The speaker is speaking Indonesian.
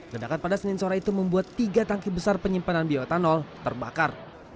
ledakan pada senin sore itu membuat tiga tangki besar penyimpanan bioetanol terbakar